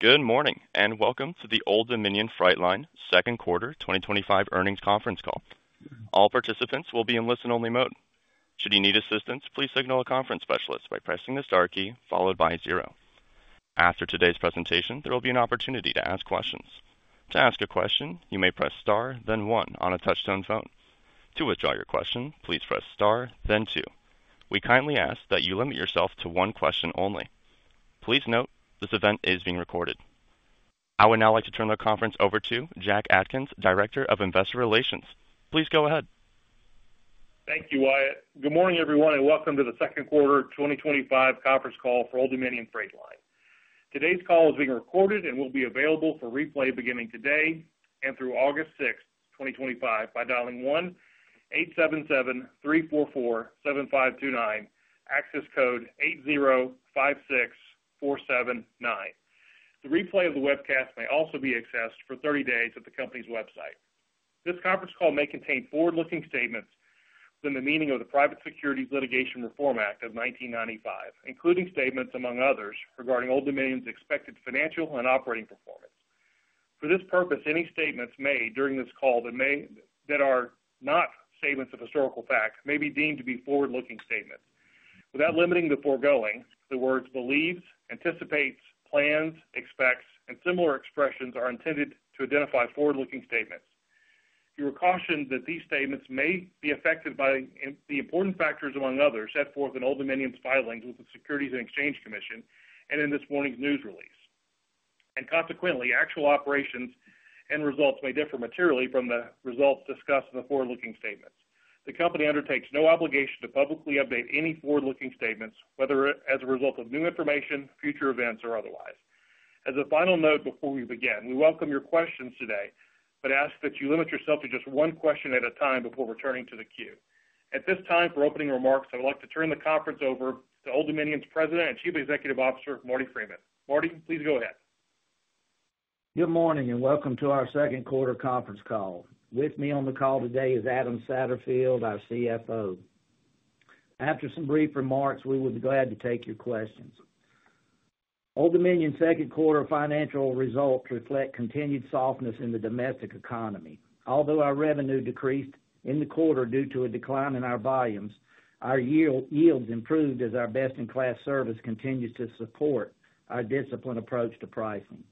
Good morning and welcome to the Old Dominion Freight Line second quarter 2025 earnings conference call. All participants will be in listen-only mode. Should you need assistance, please signal a conference specialist by pressing the star key followed by zero. After today's presentation, there will be an opportunity to ask questions. To ask a question, you may press star then one on a touchtone phone. To withdraw your question, please press star then two. We kindly ask that you limit yourself to one question only. Please note this event is being recorded. I would now like to turn the conference over to Jack Atkins, Director of Investor Relations. Please go ahead. Thank you, Wyatt. Good morning everyone, and welcome to the second quarter 2025 conference call for Old Dominion Freight Line. Today's call is being recorded and will be available for replay beginning today and through August 6, 2025 by dialing 1-877-344-7529, access code 8056479. The replay of the webcast may also be accessed for 30 days at the Company's website. This conference call may contain forward looking statements within the meaning of the Private Securities Litigation Reform Act of 1995, including statements, among others, regarding Old Dominion's expected financial and operating performance. For this purpose, any statements made during this call that are not statements of historical fact may be deemed to be forward looking statements. Without limiting the foregoing, the words believes, anticipates, plans, expects and similar expressions are intended to identify forward looking statements. You are cautioned that these statements may be affected by the important factors, among others, set forth in Old Dominion's filings with the Securities and Exchange Commission and in this morning's news release. Consequently, actual operations and results may differ materially from the results discussed in the forward looking statements. The Company undertakes no obligation to publicly update any forward looking statements, whether as a result of new information, future events or otherwise. As a final note before we begin, we welcome your questions today, but ask that you limit yourself to just one question at a time before returning to the queue. At this time for opening remarks, I would like to turn the conference over to Old Dominion's President and Chief Executive Officer, Marty Freeman. Marty, please go ahead. Good morning and welcome to our second quarter conference call. With me on the call today is Adam Satterfield, our CFO. After some brief remarks, we would be glad to take your questions. Old Dominion second quarter financial results reflect continued softness in the domestic economy. Although our revenue decreased in the quarter due to a decline in our volumes, our yields improved as our best-in-class service continues to support our disciplined approach to pricing.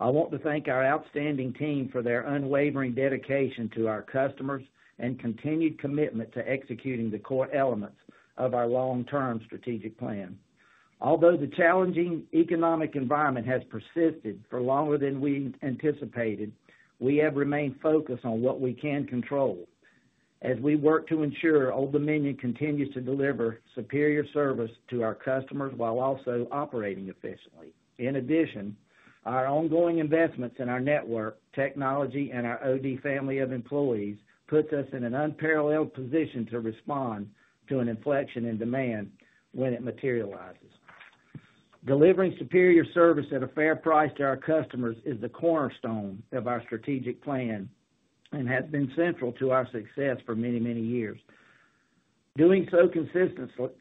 I want to thank our outstanding team for their unwavering dedication to our customers and continued commitment to executing the core elements of our long-term strategic plan. Although the challenging economic environment has persisted for longer than we anticipated, we have remained focused on what we can control as we work to ensure Old Dominion continues to deliver superior service to our customers while also operating efficiently. In addition, our ongoing investments in our network, technology, and our OD family of employees puts us in an unparalleled position to respond to an inflection in demand when it materializes. Delivering superior service at a fair price to our customers is the cornerstone of our strategic plan and has been central to our success for many, many years. Doing so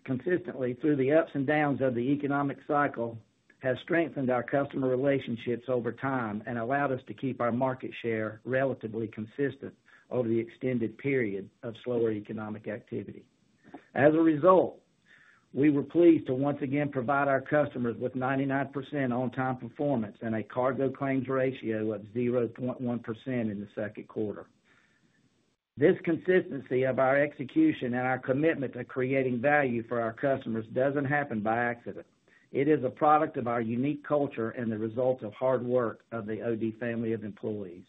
consistently through the ups and downs of the economic cycle has strengthened our customer relationships over time and allowed us to keep our market share relatively consistent over the extended period of slower economic activity. As a result, we were pleased to once again provide our customers with 99% on-time performance and a cargo claims ratio of 0.1% in the second quarter. This consistency of our execution and our commitment to creating value for our customers does not happen by accident. It is a product of our unique culture and the result of hard work of the OD family of employees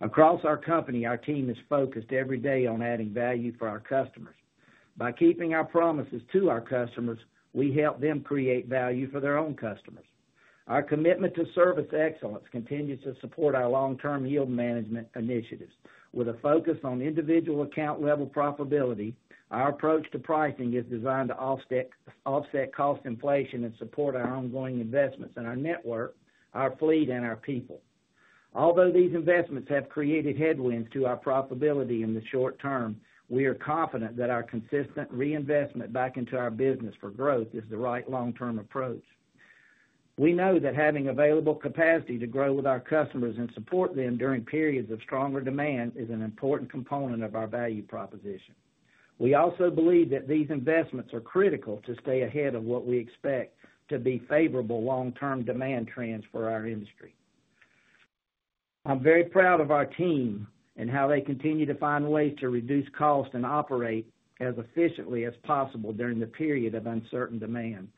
across our company. Our team is focused every day on adding value for our customers. By keeping our promises to our customers, we help them create value for their own customers. Our commitment to service excellence continues to support our long-term yield management initiatives with a focus on individual account-level profitability. Our approach to pricing is designed to offset cost inflation and support our ongoing investments in our network, our fleet, and our people. Although these investments have created headwinds to our profitability in the short term, we are confident that our consistent reinvestment back into our business for growth is the right long term approach. We know that having available capacity to grow with our customers and support them during periods of stronger demand is an important component of our proposition. We also believe that these investments are critical to stay ahead of what we expect to be favorable long term demand trends for our industry. I'm very proud of our team and how they continue to find ways to reduce cost and operate as efficiently as possible during the period of uncertain demand.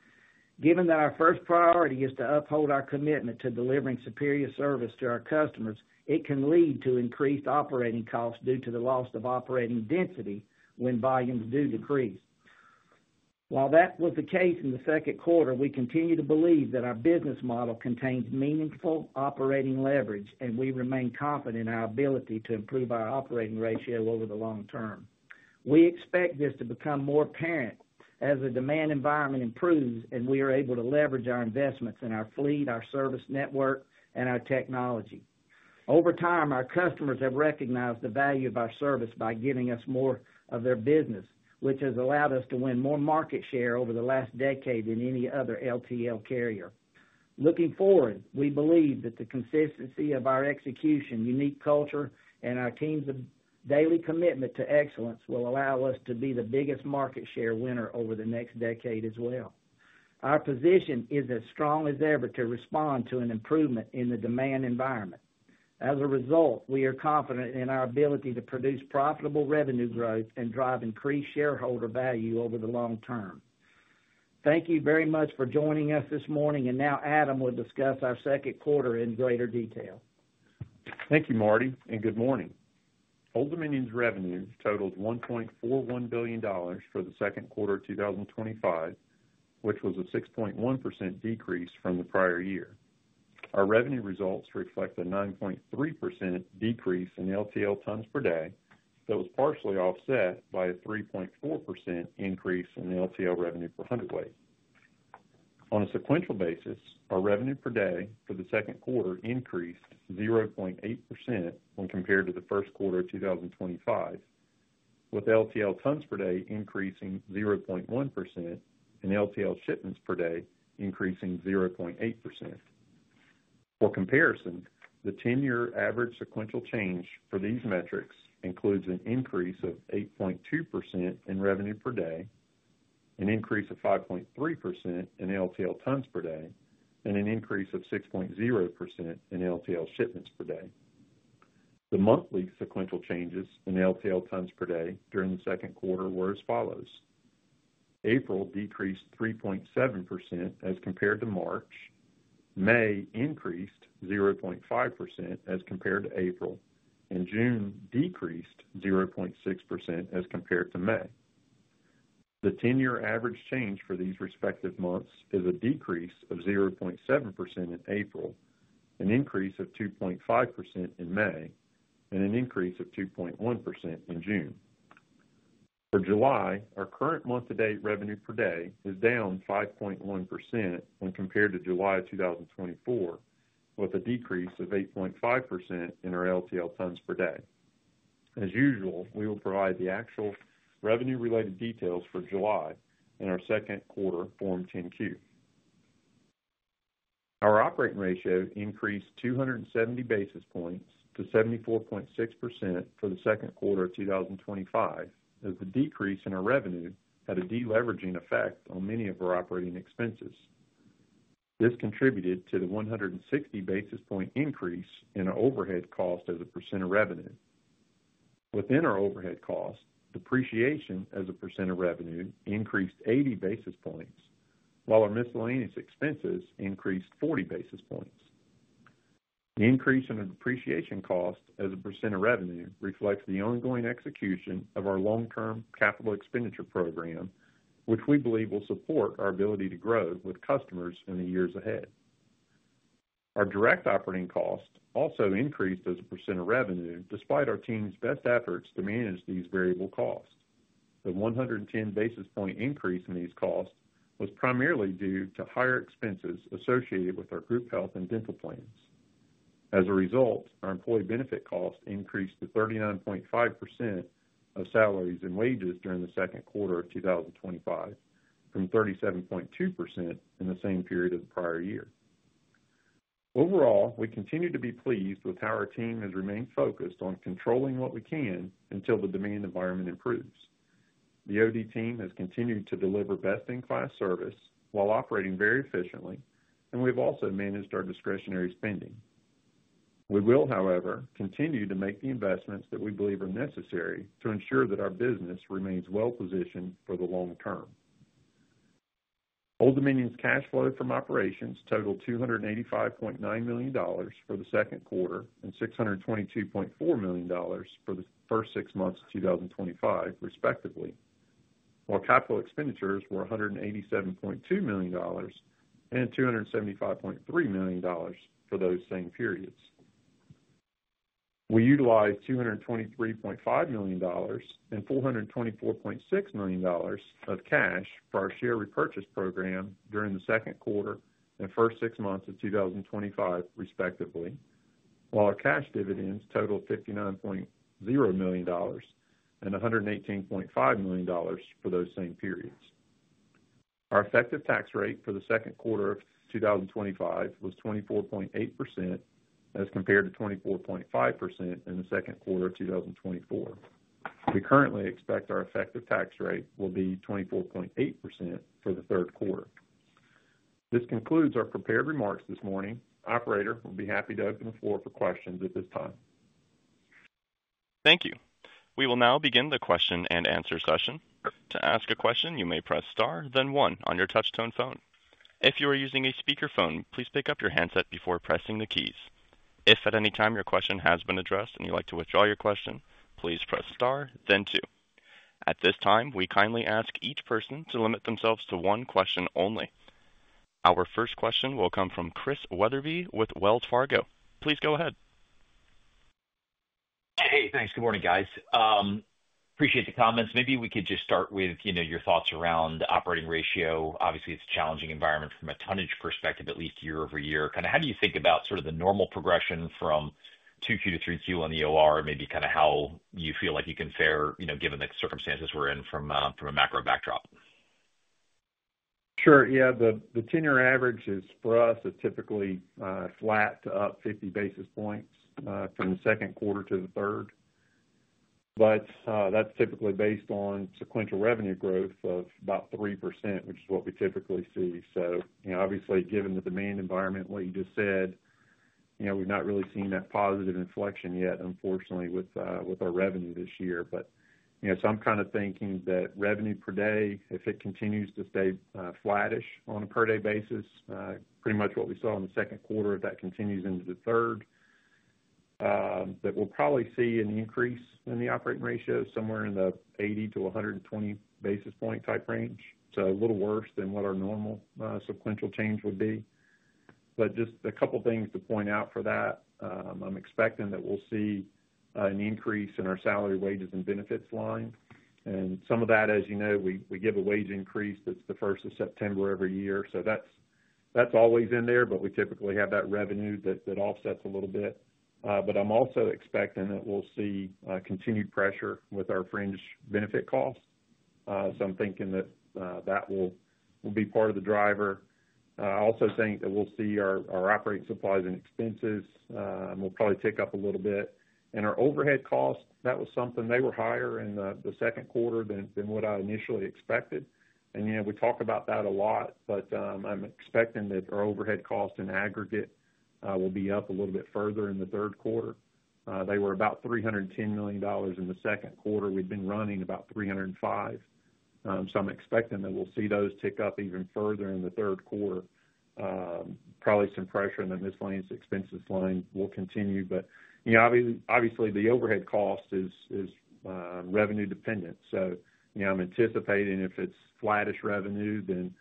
Given that our first priority is to uphold our commitment to delivering superior service to our customers, it can lead to increased operating costs due to the loss of operating density when volumes do decrease. While that was the case in the second quarter, we continue to believe that our business model contains meaningful operating leverage and we remain confident in our ability to improve our operating ratio over the long term. We expect this to become more apparent as the demand environment improves and we are able to leverage our investments in our fleet, our service network and our technology. Over time, our customers have recognized the value of our service by giving us more of their business, which has allowed us to win more market share over the last decade than any other LTL carrier. Looking forward, we believe that the consistency of our execution, unique culture and our team's daily commitment to excellence will allow us to be the biggest market share winner over the next decade as well. Our position is as strong as ever to respond to an improvement in the demand environment. As a result, we are confident in our ability to produce profitable revenue growth and drive increased shareholder value over the long term. Thank you very much for joining us this morning and now Adam will discuss our second quarter in greater detail. Thank you Marty and good morning. Old Dominion's revenue totaled $1.41 billion for the second quarter 2025, which was a 6.1% decrease from the prior year. Our revenue results reflect a 9.3% decrease in LTL tons per day. That was partially offset by a 3.4% increase in LTL revenue per hundredweight. On a sequential basis, our revenue per day for the second quarter increased 0.8% when compared to the first quarter of 2025, with LTL tons per day increasing 0.1% and LTL shipments per day increasing 0.8%. For comparison, the 10-year average sequential change for these metrics includes an increase of 8.2% in revenue per day, an increase of 5.3% in LTL tons per day, and an increase of 6.0% in LTL shipments per day. The monthly sequential changes in LTL tons per day during the second quarter were as follows. April decreased 3.7% as compared to March, May increased 0.5% as compared to April, and June decreased 0.6% as compared to May. The 10-year average change for these respective months is a decrease of 0.7% in April, an increase of 2.5% in May, and an increase of 2.1% in June. For July, our current month to date, revenue per day is down 5.1% when compared to July 2024 with a decrease of 8.5% in our LTL tons per day. As usual, we will provide the actual revenue related details for July in our second quarter Form 10-Q. Our operating ratio increased 270 basis points to 74.6% for the second quarter of 2025 as the decrease in our revenue had a deleveraging effect on many of our operating expenses. This contributed to the 160 basis point increase in our overhead cost as a percent of revenue. Within our overhead cost, depreciation as a percent of revenue increased 80 basis points while our miscellaneous expenses increased 40 basis points. The increase in our depreciation cost as a percent of revenue reflects the ongoing execution of our long-term capital expenditure program, which we believe will support our ability to grow with customers in the years ahead. Our direct operating cost also increased as a percent of revenue despite our team's best efforts to manage these variable costs. The 110 basis point increase in these costs was primarily due to higher expenses associated with our group health and dental plans. As a result, our employee benefit costs increased to 39.5% of salaries and wages during the second quarter of 2025 from 37.2% in the same period of the prior year. Overall, we continue to be pleased with how our team has remained focused on controlling what we can and until the demand environment improves, the OD team has continued to deliver best in class service while operating very efficiently, and we've also managed our discretionary spending. We will, however, continue to make the investments that we believe are necessary to ensure that our business remains well positioned for the long term. Old Dominion's cash flow from operations totaled $285.9 million for the second quarter and $622.4 million for the first six months of 2025 respectively, while capital expenditures were $187.2 million and $275.3 million for those same periods. We utilized $223.5 million and $424.6 million of cash for our share repurchase program during the second quarter and first six months of 2025 respectively, while our cash dividends totaled $59.0 million and $118.5 million for those same periods. Our effective tax rate for the second quarter of 2025 was 24.8% as compared to 24.5% in the second quarter of 2024. We currently expect our effective tax rate will be 24.8% for the third quarter. This concludes our prepared remarks this morning. Operator we'll be happy to open the floor for questions at this time. Thank you. We will now begin the question and answer session. To ask a question, you may press star then one on your touchtone phone. If you are using a speakerphone, please pick up your handset before pressing the keys. If at any time your question has been addressed and you would like to withdraw your question, please press star then two. At this time, we kindly ask each person to limit themselves to one question only. Our first question will come from Chris Wetherbee with Wells Fargo.Please go ahead. Hey, thanks. Good morning, guys. Appreciate the comments. Maybe we could just start with you know, your thoughts around operating ratio. Obviously it's a challenging environment from a tonnage perspective, at least year over year. Kind of how do you think about sort of the normal progression from 2Q? To 3Q on the OR maybe kind of how you feel like you can fare given the circumstances we're in from a macro backdrop? Sure, yeah. The 10-year average is for us typically flat to up 50 basis points from the second quarter to the third, but that's typically based on sequential revenue growth of about 3%, which is what we typically see. Obviously, given the demand environment, what you just said, you know, we've not really seen that positive inflection yet, unfortunately with our revenue this year. I'm kind of thinking that revenue per day, if it continues to stay flattish on a per day basis, pretty much what we saw in the second quarter, if that continues into the third, that we'll probably see an increase in the operating ratio somewhere in the 80-120 basis point type range. A little worse than what our normal sequential change would be. Just a couple things to point out for that. I'm expecting that we'll see an increase in our salary, wages and benefits line and some of that, as you know, we give a wage increase that's the first of September every year, so that's always in there. We typically have that revenue that offsets a little bit. I'm also expecting that we'll see continued pressure with our fringe benefit costs. I'm thinking that that will be part of the driver. I also think that we'll see our operating supplies and expenses will probably tick up a little bit. Our overhead cost, that was something, they were higher in the second quarter than what I initially expected. You know, we talk about that a lot, but I'm expecting that our overhead cost in aggregate will be up a little bit further in the third quarter. They were about $310 million in the second quarter. We'd been running about $305 million. I'm expecting that we'll see those tick up even further in the third quarter. Probably some pressure in the miscellaneous expenses line will continue, but obviously the overhead cost is revenue dependent. I'm anticipating if it's flattish revenue, then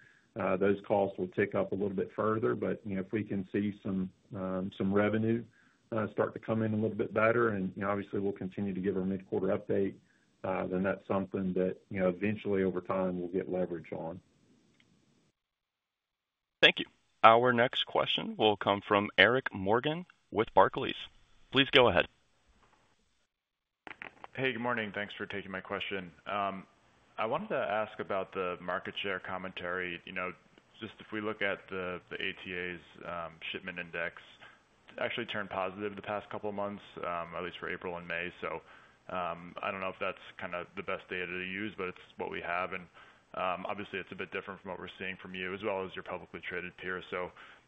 those costs will tick up a little bit further. If we can see some revenue start to come in a little bit better and obviously we'll continue to give our mid quarter update, then that's something that eventually over time we'll get leverage on. Thank you. Our next question will come from Eric Morgan with Barclays.Please go ahead. Hey, good morning. Thanks for taking my question. I wanted to ask about the market share commentary. Just if we look at the ATA's shipment index actually turned positive the past couple months, at least for April and May. I do not know if that's kind of the best data to use. But it's what we have and obviously it's a bit different from what we're seeing from you as well as your publicly traded peers.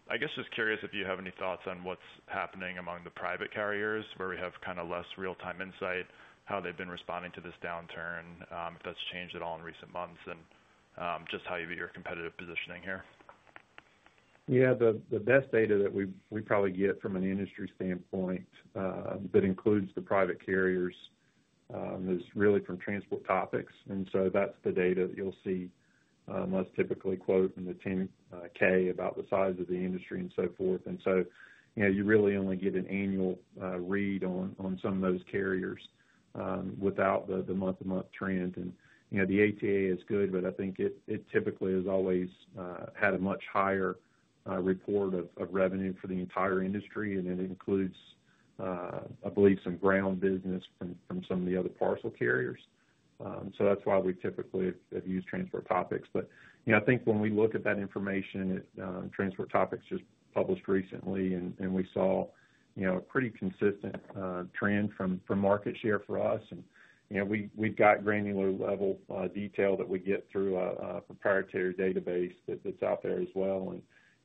I guess just curious if you have any thoughts on what's happening among the private carriers where we have kind of less real time insight how they've been responding to this downturn, if that's changed at all in recent months and just how you view your competitive positioning here? Yeah, the best data that we probably get from an industry standpoint that includes the private carriers is really from Transport Topics. That's the data that you'll see us typically quote in the 10-K about the size of the industry and so forth. You really only get an annual read on some of those carriers without the month to month trend. The ATA is good, but I think it typically has always had a much higher report of revenue for the entire industry and it includes, I believe, some ground business from some of the other parcel carriers. That's why we typically have used Transport Topics. I think when we look at that information, Transport Topics just published recently and we saw a pretty consistent trend from market share for us. We've got granular level detail that we get through a proprietary database, but that's out there as well.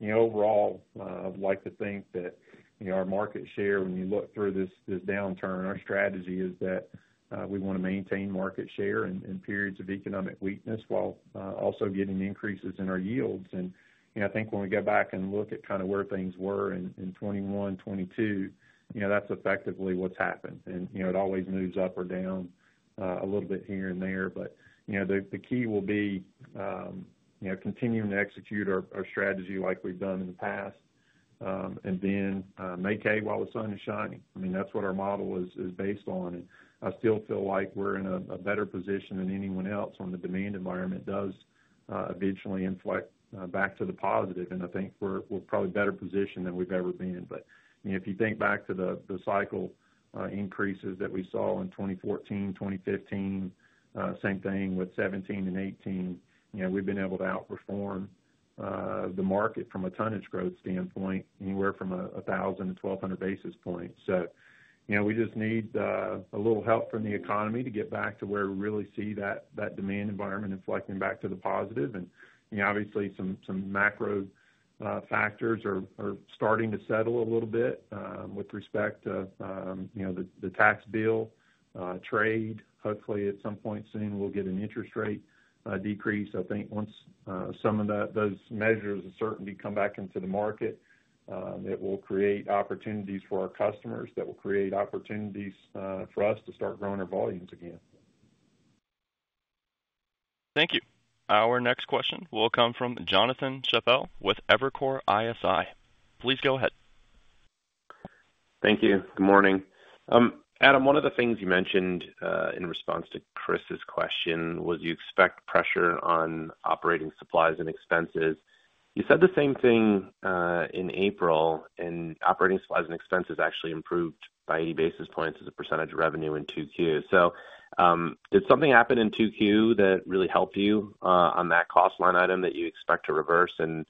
Overall, I'd like to think that our market share, when you look through this downturn, our strategy is that we want to maintain market share in periods of economic weakness while also getting increases in our yields. I think when we go back and look at kind of where things were in 2021, 2022, that's effectively what's happened. It always moves up or down a little bit here and there. The key will be continuing to execute our strategy like we've done in the past and then make hay while the sun is shining. I mean, that's what our model is based on. I still feel like we're in a better position than anyone else when the demand environment does eventually inflect back to the positive. I think we're probably better positioned than we've ever been. If you think back to the cycle increases that we saw in 2014, 2015, same thing with 2017 and 2018. We've been able to outperform the market from a tonnage growth standpoint, anywhere from 1,000-1,200 basis points. We just need a little help from the economy to get back to where we really see that demand environment inflecting back to the positive. Obviously some macro factors are starting to settle a little bit with respect to the tax bill trade. Hopefully at some point soon we'll get an interest rate decrease. I think once some of those measures certainly come back into the market, it will create opportunities for our customers that will create opportunities for us to start growing our volumes again. Thank you. Our next question will come from Jonathan Chappell with Evercore ISI. Please go ahead. Thank you. Good morning, Adam, one of the things you mentioned in response to Chris' question was you expect pressure on operating supplies and expenses. You said the same thing in April and operating supplies and expenses actually improved by 80 basis points as a percentage of revenue in 2Q. Did something happen in 2Q that really helped you on that cost line item that you expect to reverse? In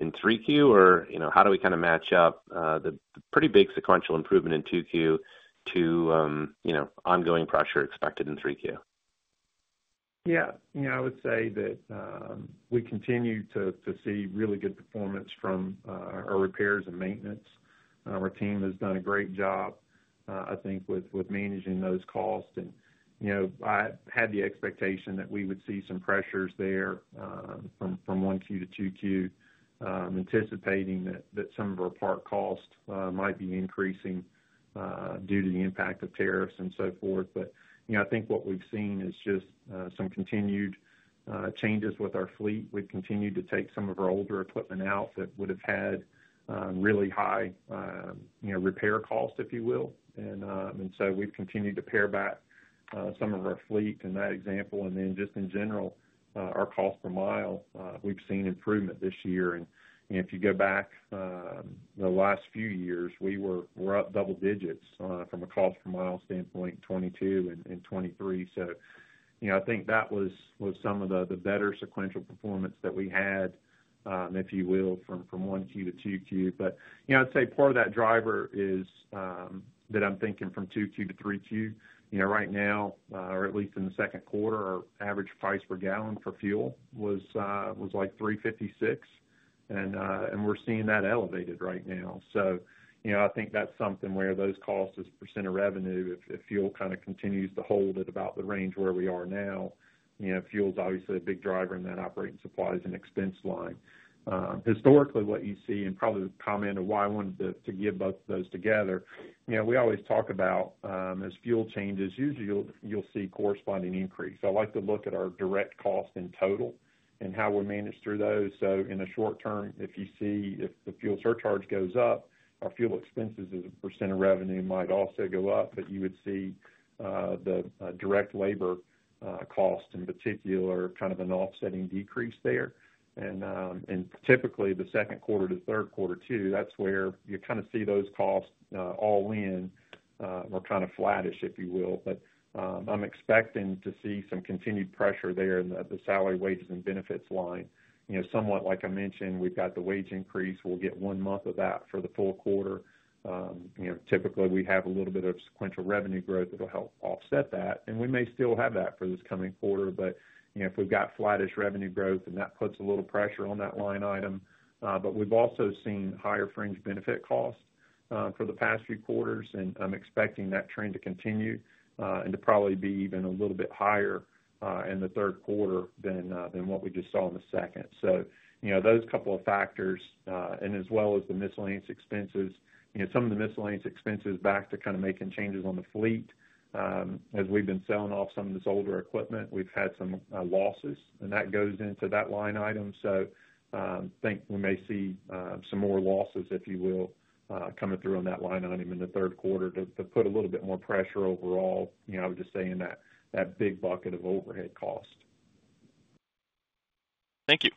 3Q or how do we. Kind of match up the pretty big sequential improvement in 2Q to ongoing pressure expected in 3Q? Yeah, I would say that we continue to see really good performance from our repairs and maintenance. Our team has done a great job, I think, with managing those costs. I had the expectation that we would see some pressures there from 1Q to 2Q, anticipating that some of our part cost might be increasing due to the impact of tariffs and so forth. I think what we've seen is just some continued changes with our fleet. We've continued to take some of our older equipment out that would have had really high repair cost, if you will. We've continued to pare back some of our fleet in that example. In general, our cost per mile, we've seen improvement this year. If you go back the last few years, we were up double digits from a cost per mile standpoint, 2022 and 2023. I think that was some of the better sequential performance that we had, if you will, from 1Q to 2Q. I'd say part of that driver is that I'm thinking from 2Q to 3Q is, you know, right now, or at least in the second quarter, our average price per gallon for fuel was like $3.56 and we're seeing that elevated right now. I think that's something where those costs as a percent of revenue, if fuel kind of continues to hold at about the range where we are now. Fuel's obviously a big driver in that operating supplies and expense line. Historically what you see and probably the comment of why I wanted to give both of those together, you know, we always talk about as fuel changes, usually you'll see corresponding increase. I like to look at our direct cost in total and how we manage through those. In the short term, if you see if the fuel surcharge goes up, our fuel expenses as a percent of revenue might also go up. You would see the direct labor cost in particular kind of an offsetting decrease there and typically the second quarter to third quarter too. That's where you kind of see those costs all in or kind of flattish, if you will. I'm expecting to see some continued pressure there in the salary, wages and benefits line somewhat. Like I mentioned, we've got the wage increase. We'll get one month of that for the full quarter. Typically we have a little bit of sequential revenue growth that will help offset that. We may still have that for this coming quarter. If we've got flattish revenue growth, then that puts a little pressure on that line item. We've also seen higher fringe benefit cost for the past few quarters and I'm expecting that trend to continue and to probably be even a little bit higher in the third quarter than what we just saw in the second. You know, those couple of factors and as well as the miscellaneous expenses, you know, some of the miscellaneous expenses back to kind of making changes on the fleet. As we've been selling off some of this older equipment, we've had some losses and that goes into that line item. I think we may see some more losses, if you will, coming through on that line item in the third quarter to put a little bit more pressure overall. I would just say in that big bucket of overhead cost. Thank you.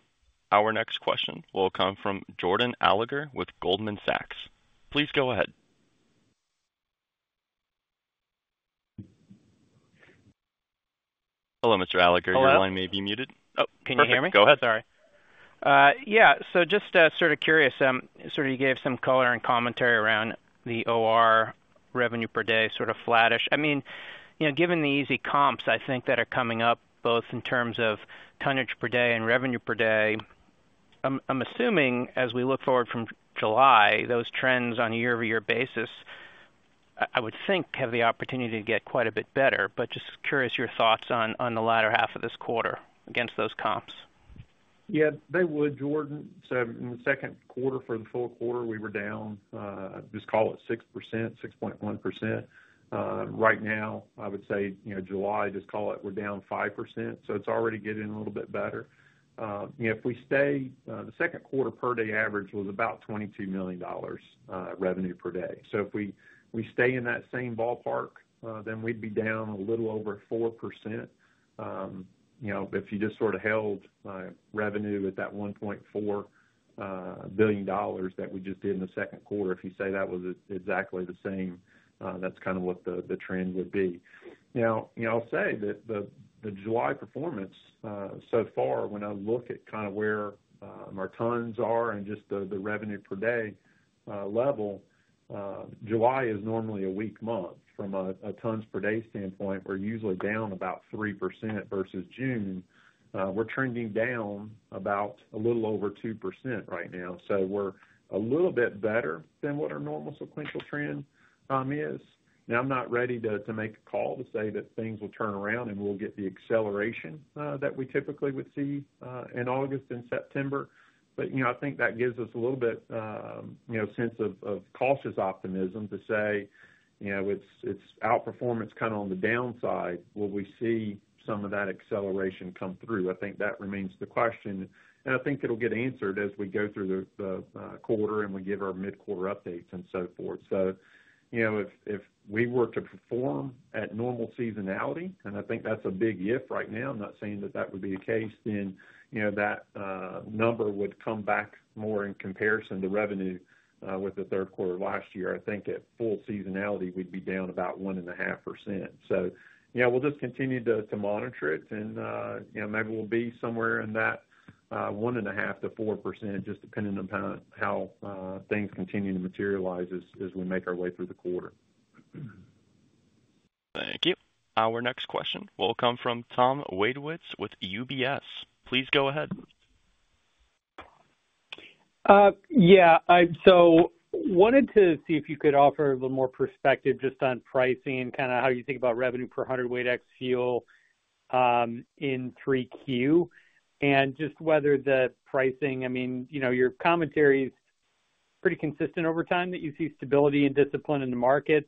Our next question will come from Jordan Alliger with Goldman Sachs.Please go ahead. Hello, Mr. Alliger, your line may be muted. Can you hear me? Go ahead. Sorry. Yeah, so just sort of curious, sort of you gave some color and commentary around the OR revenue per day sort of flattish. I mean, you know, given the easy comps I think that are coming up both in terms of tonnage per day and revenue per day. I'm assuming as we look forward from July, those trends on a year over year basis, I would think have the opportunity to get quite a bit better. Just curious your thoughts on the latter half of this quarter against those comps? Yeah, they would. Jordan. So in the second quarter for the full quarter we were down, just call it 6%, 6.1%. Right now I would say July, just call it, we're down 5%. So it's already getting a little bit better. If we stay the second quarter per day average was about $22 million revenue per day. So if we, we stay in that same ballpark, then we'd be down a little over 4%. If you just sort of held revenue at that $1.4 billion that we just did in the second quarter. If you say that was exactly the same, that's kind of what the trend would be. Now I'll say that the July performance so far, when I look at kind of where our tons are and just the revenue per day level, July is normally a weak month. From a tons per day standpoint, we're usually down about 3% versus June. We're trending down about a little over 2% right now. So we're a little bit better than what our normal sequential trend is. Now I'm not ready to make a call to say that things will turn around and we'll get the acceleration that we typically would see in August and September, but I think that gives us a little bit sense of cautious optimism to say it's outperformance kind of on the downside, will we see some of that acceleration come through? I think that remains the question and I think it'll get answered as we go through the quarter and we give our mid quarter updates and so forth. If we were to perform at normal seasonality, and I think that's a big if right now, I'm not saying that that would be the case, then that number would come back more in comparison to revenue with the third quarter last year, I think at full seasonality we'd be down about one and a half percent. So yeah, we'll just continue to monitor it and maybe we'll be somewhere in that one and a half to 4% just depending upon how things continue to materialize as we make our way through the quarter. Thank you. Our next question will come from Tom Wadewitz with UBS.Please go ahead. Yea h, so wanted to see if you could offer a little more perspective just on pricing and kind of how you think about revenue per 100 weight ``ex fuel in 3Q and just whether the pricing, I mean, you know, your commentary is pretty consistent over time that you see stability and discipline in the market.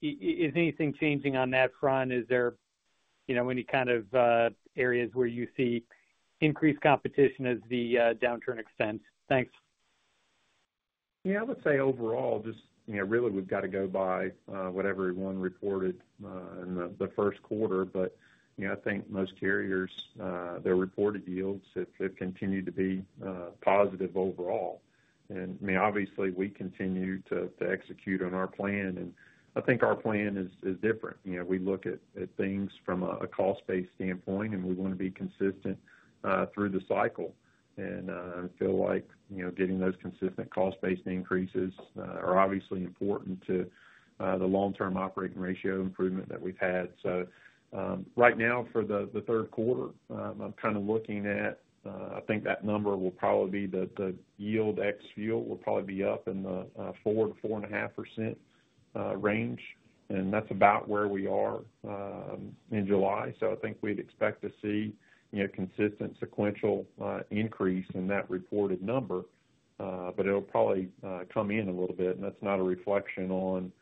Is anything changing on that front? Is there any kind of areas where you see increased competition as the downturn extends? Yeah, I would say overall, just really we've got to go by what everyone reported in the first quarter. I think most carriers, their reported yields have continued to be positive overall and obviously we continue to execute on our plan. I think our plan is different. We look at things from a cost based standpoint and we want to be consistent through the cycle and feel like getting those consistent cost based increases are obviously important to the long term operating ratio improvement that we've had. Right now for the third quarter I'm kind of looking at, I think that number will probably be the yield ex fuel will probably be up in the 4%-4.5% range and that's about where we are in July. I think we'd expect to see a consistent sequential increase in that reported number. It'll probably come in a little bit. That's not a reflection on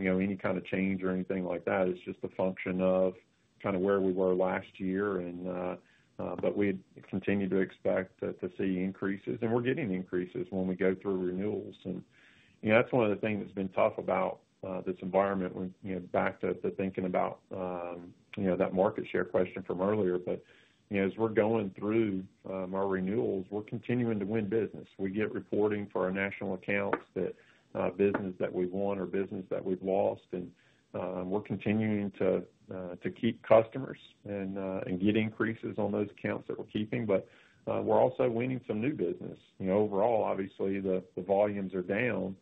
any kind of change or anything like that. It's just a function of kind of where we were last year. We continue to expect to see increases and we're getting increases when we go through renewals. That's one of the things that's been tough about this environment. Back to thinking about that market share question from earlier. As we're going through our renewals, we're continuing to win business. We get reporting for our national accounts, that business that we've won or business that we've lost and we're continuing to keep customers and get increases on those accounts that we're keeping. We're also winning some new business overall. Obviously the volumes are down,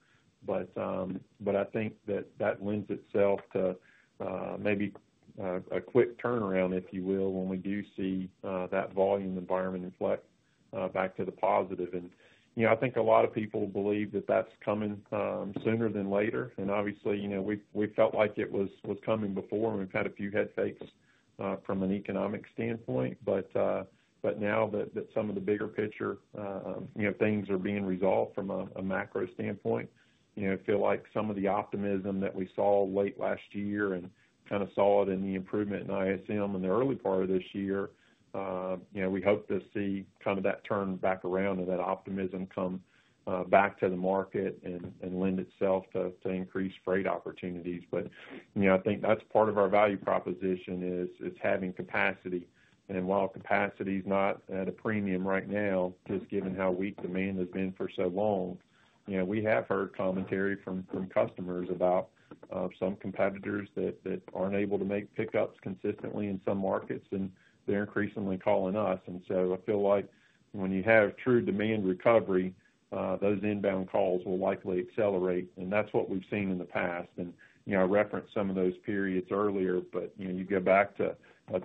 but I think that that lends itself to maybe a quick turnaround, if you will, when we do see that volume environment reflect back to the positive. I think a lot of people believe that that's coming sooner than later. Obviously we felt like it was coming before. We've had a few head fakes from an economic standpoint, but now that some of the bigger picture things are being resolved from a macro standpoint, I feel like some of the optimism that we saw late last year and kind of saw it in the improvement in ISM in the early part of this year, we hope to see kind of that turn back around and that optimism come back to the market and lend itself to increased freight opportunities. I think that's part of our value proposition is having capacity. While capacity is not at a premium right now, just given how weak demand has been for so long, we have heard commentary from customers about some competitors that are not able to make pickups consistently in some markets and they are increasingly calling us. I feel like when you have true demand recovery, those inbound calls will likely accelerate. That is what we have seen in the past. I referenced some of those periods earlier. You go back to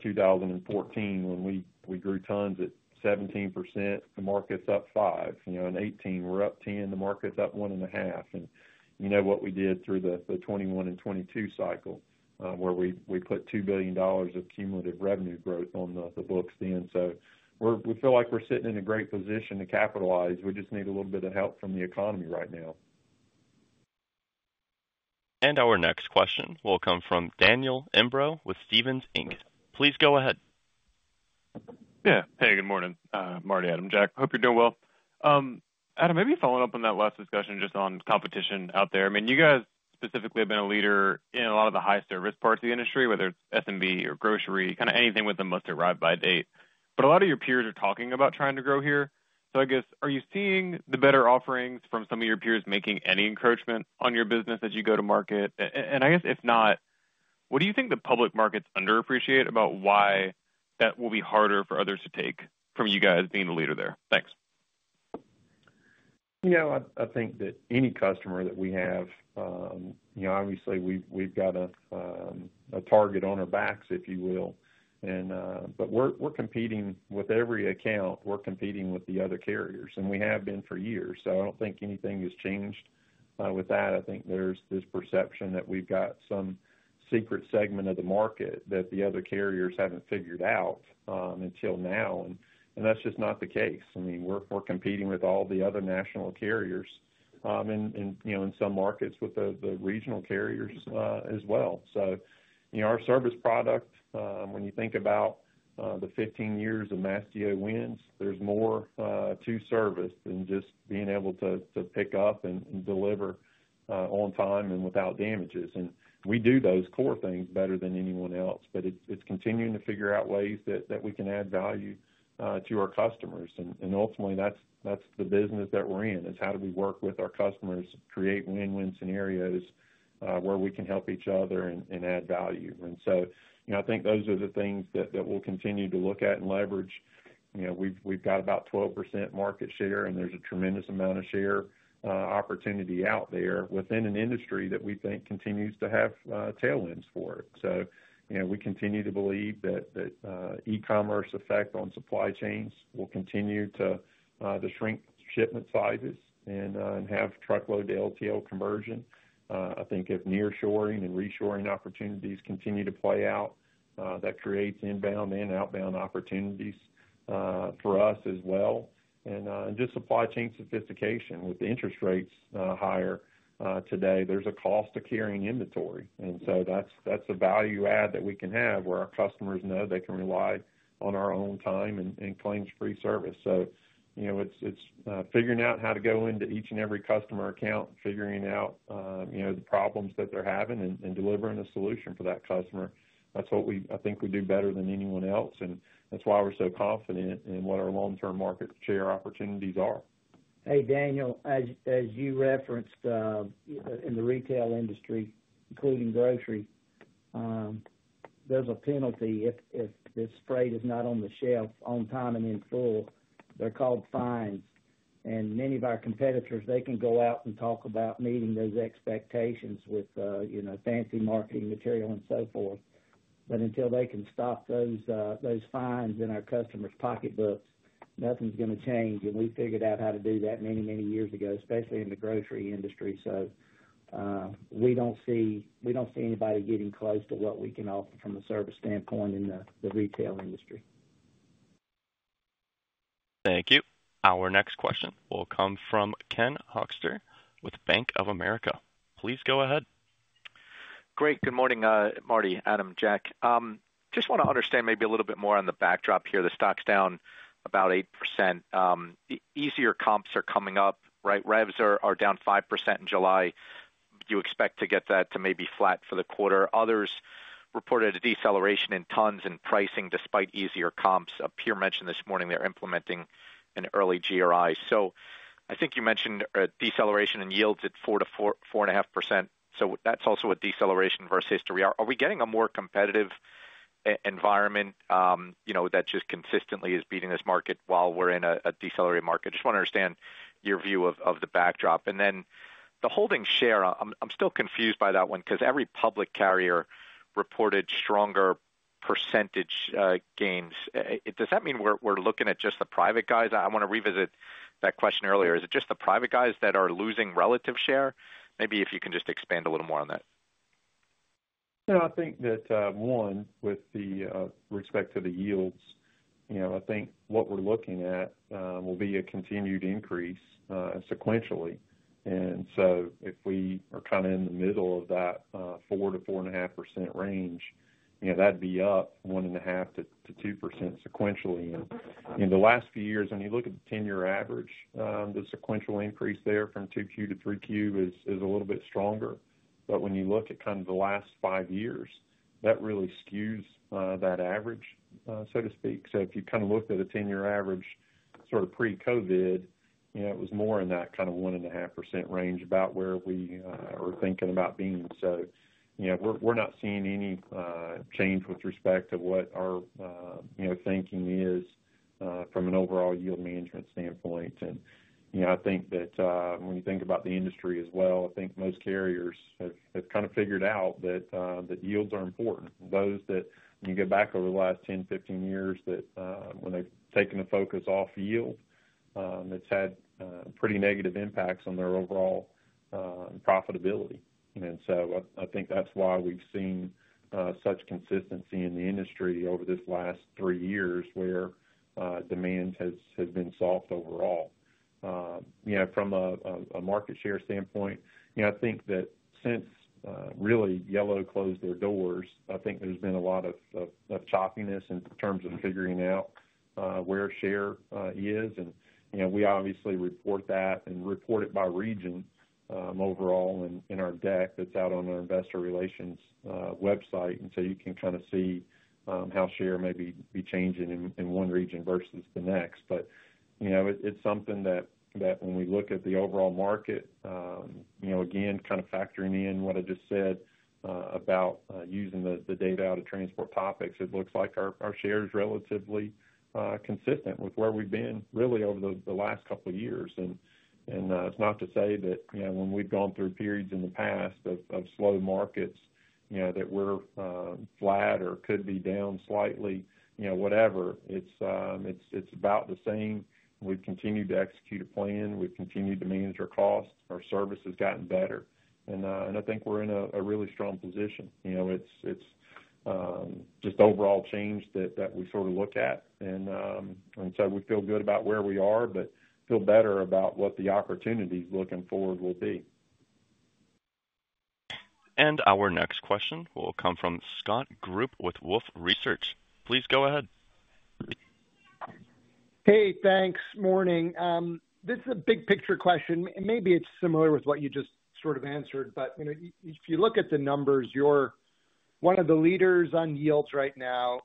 2014 when we grew tons at 17%, the market is up 5%. In 2018, we are up 10%, the market is up one and a half percent. You know what we did through the 2021 and 2022 cycle where we put $2 billion of cumulative revenue growth on the books then. We feel like we are sitting in a great position to capitalize. We just need a little bit of help from the economy right now. Our next question will come from Daniel Imbro with Stephens. Please go ahead. Yeah. Hey, good morning, Marty, Adam, Jack. Hope you're doing well. Adam, maybe following up on that last. Discussion just on competition out there, I mean, you guys specifically have been a leader in a lot of the high. Service parts of the industry, whether it's. SMB or grocery, kind of anything with a must arrive by date. A lot of your peers are talking about trying to grow here. So I guess are you seeing the better offerings from some of your peers? Making any encroachment on your business as you go to market? I guess if not, what do you think the public markets under appreciate about why that will be harder for others to take from you guys being the leader there? You know, I think that any customer that we have, obviously we've got a target on our backs, if you will. We're competing with every account. We're competing with the other carriers and we have been for years. I don't think anything has changed with that. I think there's this perception that we've got some secret segment of the market that the other carriers haven't figured out until now. That's just not the case. I mean, we're competing with all the other national carriers in some markets, with the regional carriers as well. Our service product, when you think about the 15 years of Mastio wins, there's more to service than just being able to pick up and deliver on time and without damages. We do those core things better than anyone else. It's continuing to figure out ways that we can add value to our customers. Ultimately that's the business that we're in, is how do we work with our customers, create win-win scenarios where we can help each other and add value. I think those are the things that we'll continue to look at and leverage. You know we've got about 12% market share and there's a tremendous amount of share opportunity out there within an industry that we think continues to have tailwinds for it. We continue to believe that E-commerce effect on supply chains will continue to shrink shipment sizes and have truckload to LTL conversion. I think if near shoring and reshoring opportunities continue to play out, that creates inbound and outbound opportunities for us as well. Just supply chain sophistication. With the interest rates higher today, there's a cost of carrying inventory. That's a value add that we can have where our customers know they can rely on our on-time and claims-free service. It's figuring out how to go into each and every customer account, figuring out the problems that they're having and delivering a solution for that customer. That's what we, I think we do better than anyone else and that's why we're so confident in what our long-term market share opportunities are. Hey Daniel, as you referenced in the retail industry, including grocery, there's a penalty if this freight is not on the shelf on time and in full. They're called fines. Many of our competitors, they can go out and talk about meeting those expectations with fancy marketing material and so forth. Until they can stop those fines in our customers' pocketbooks, nothing's going to change. We figured out how to do that many, many years ago, especially in the grocery industry. So. We do not see anybody getting close to what we can offer from a service standpoint in the retail industry. Thank you. Our next question will come from Ken Hoexter with Bank of America.Please go ahead. Great. Good morning Marty, Adam, Jack, just want to understand maybe a little bit more on the backdrop here. The stock's down about 8%. The easier comps are coming up, right. Revs are down 5% in July. Do you expect to get that to maybe flat for the quarter? Others reported a deceleration in tons and pricing despite easier comps. A peer mentioned this morning they're implementing an early GRI. I think you mentioned deceleration in yields at 4%-4.5%. That's also a deceleration versus 3%. Are we getting a more competitive environment, you know, that just consistently is beating this market while we're in a decelerated market? Just want to understand your view of the backdrop and then the holding share. I'm still confused by that one, because every public carrier reported stronger percentage gains. Does that mean we're looking at just the private guys? I want to revisit that question earlier. Is it just the private guys that are losing relative share? Maybe if you can just expand a. Little more on that. I think that one with respect to the yields, I think what we're looking at will be a continued increase sequentially. If we are kind of in the middle of that 4%-4.5% range, that would be up 1.5%-2% sequentially in the last few years. When you look at the 10-year average, the sequential increase there from 2Q to 3Q is a little bit stronger. When you look at the last five years, that really skews that average, so to speak. If you looked at a 10-year average sort of pre-COVID, you know, it was more in that kind of 1.5% range, about where we were thinking about being. You know, we're not seeing any change with respect to what our thinking is from an overall yield management standpoint. I think that when you think about the industry as well, most carriers have kind of figured out that yields are important. When you go back over the last 10-15 years, when they've taken a focus off yield, it has had pretty negative impacts on their overall profitability. I think that's why we've seen such consistency in the industry over this last three years where demand has been soft overall. From a market share standpoint, I think that since really Yellow closed their doors, there has been a lot of choppiness in terms of figuring out where share is. We obviously report that and report it by region overall in our deck that's out on our investor relations website. You can kind of see how share may be changing in one region versus the next. You know, it's something that when we look at the overall market, again, kind of factoring in what I just said about using the data out of Transport Topics, it looks like our share is relatively consistent with where we've been really over the last couple of years. It's not to say that when we've gone through periods in the past of slow markets that were flat or could be down slightly, whatever, it's about the same. We've continued to execute a plan, we've continued to manage our costs, our service has gotten better, and I think we're in a really strong position. It's just overall change that we sort of look at. We feel good about where we are, but feel better about what the opportunities looking forward will be. Our next question will come from Scott Group with Wolfe Research. Please go ahead. Hey, thanks. Morning. This is a big picture question. Maybe it's similar with what you just sort of answered, but if you look at the numbers, you're one of the leaders on yields right now.